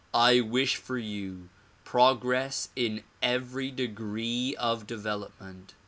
I wish foi you progress in every degree of development.